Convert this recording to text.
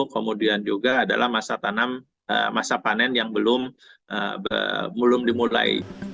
kemudian juga adalah masa tanam masa panen yang belum dimulai